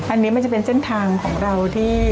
อันนี้มันจะเป็นเส้นทางของเราที่